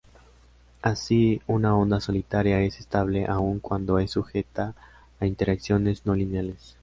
Así, una onda solitaria es estable aún cuando es sujeta a interacciones no lineales.